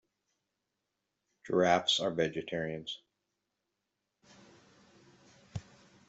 Giraffes are vegetarians.